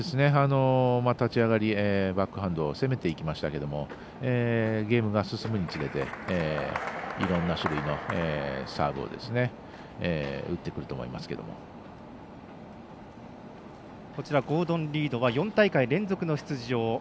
立ち上がり、バックハンド攻めていきましたけれどもゲームが進むにつれていろんな種類のゴードン・リードは４大会連続の出場。